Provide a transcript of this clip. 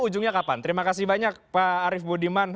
ujungnya kapan terima kasih banyak pak arief budiman